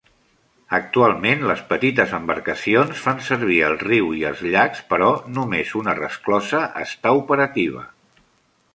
Actualment, les petites embarcacions fan servir el riu i els llacs, però només una resclosa està operativa.